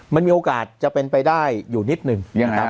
มันมีโอกาสจะเป็นไปได้อยู่นิดนึง